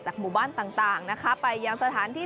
จากหมู่บ้านต่างไปยังสถานที่